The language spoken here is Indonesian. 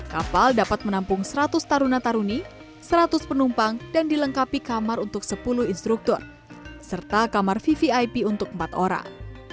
kapal dapat menampung seratus taruna taruni seratus penumpang dan dilengkapi kamar untuk sepuluh instruktur serta kamar vvip untuk empat orang